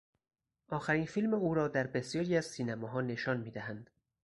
آخرین فیلم او را در بسیاری از سینماها نشان میدهند.